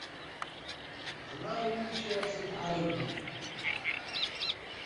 Nedmeɣ imi ay cciɣ timḥaṛin-nni.